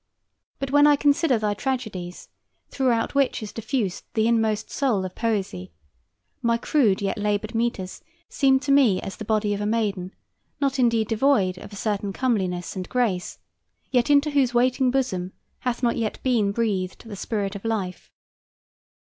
But when I consider thy tragedies, throughout which is diffused the inmost soul of poesy, my crude yet labored metres seem to me as the body of a maiden, not indeed devoid of a certain comeliness and grace, yet into whose waiting bosom hath not yet been breathed the spirit of life.